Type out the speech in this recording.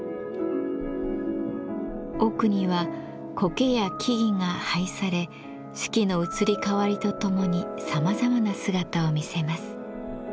奥にはこけや木々が配され四季の移り変わりとともにさまざまな姿を見せます。